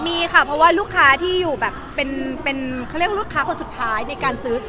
มีค่ะเพราะว่าลูกค้าที่อยู่แบบเป็นเขาเรียกลูกค้าคนสุดท้ายในการซื้อ